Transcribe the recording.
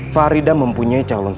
farida mempunyai cinta untuk saya